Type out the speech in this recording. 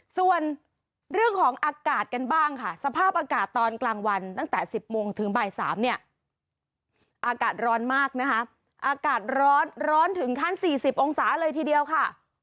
ส่วนเรื่องของอากาศกันบ้างค่ะสภาพอากาศตอนกลางวันตั้งแต่๑๐โมงถึงบ่าย๓เนี่ยอากาศร้อนมากนะคะอากาศร้อนร้อนถึงขั้น๔๐องศาเลยทีเดียวค่ะ